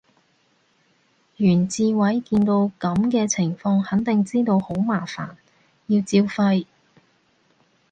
袁志偉見到噉嘅情況肯定知道好麻煩，要照肺